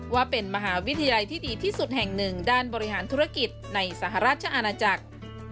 ว่าเป็นมหาวิทยาลัยที่ดีที่สุดแห่งหนึ่งด้านบริหารธุรกิจในสหราชอาณาจักร